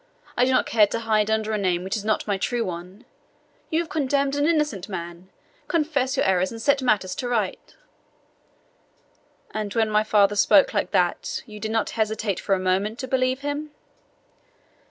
I do not care to hide under a name which is not my true one! You have condemned an innocent man! Confess your errors and set matters right.'" "And when my father spoke like that, you did not hesitate for a moment to believe him?"